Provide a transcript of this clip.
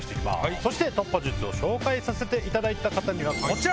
そして突破術を紹介させていただいた方には、こちら。